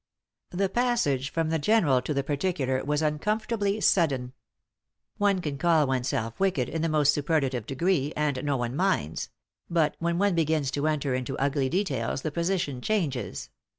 The passage from the general to the particular was uncomfortably sudden. One can call oneself wicked in the most superlative degree, and no one minds ; but when one begins to enter into ugly details the position changes.